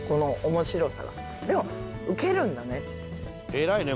偉いね